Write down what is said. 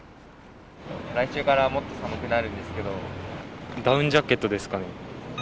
来週からもっと寒くなるんでダウンジャケットですかね。